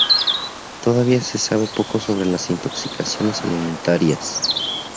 Todavía se sabe poco sobre las intoxicaciones alimentarias.